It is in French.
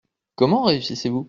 Comment réussissez-vous ?